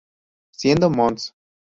Siendo Mons.